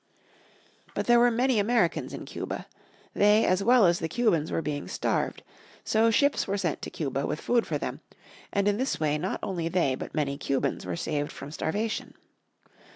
But there were many Americans in Cuba. They as well as the Cubans were being starved. So ships were sent to Cuba with food for them, and in this way not only they but many Cubans were saved from starvation.